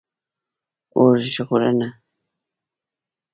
🚒 اور ژغورنه